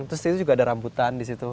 terus itu juga ada rambutan di situ